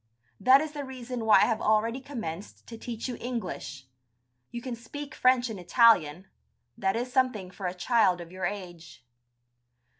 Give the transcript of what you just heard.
That is the reason why I have already commenced to teach you English. You can speak French and Italian, that is something for a child of your age."